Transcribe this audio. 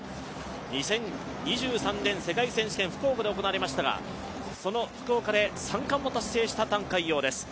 ２０２３年世界選手権、福岡で行われましたが、その福岡で３冠を達成した覃海洋です。